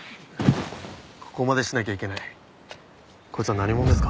ここまでしなきゃいけないこいつは何者ですか？